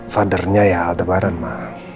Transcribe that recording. father nya ya aldebaran ma